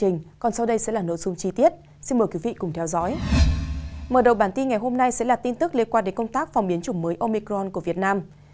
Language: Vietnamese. mở đầu bản tin ngày hôm nay sẽ là tin tức liên quan đến công tác phòng biến chủng mới omicron của việt nam